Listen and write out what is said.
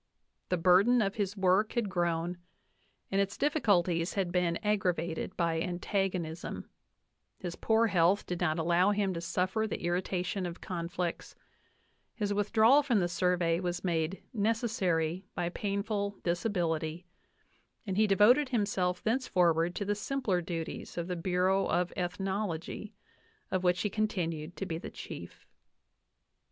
The burden of his work had grown, and its difficulties had been aggra V vated by antagonism; his poor health did not allow him to suffer the irritation of conflicts ; his withdrawal from the Sur vey was made "necessary by painful disability," and he de voted himself thenceforward to the simpler duties' of the Bu / reau f Ethnology, of which he continued to be the chief.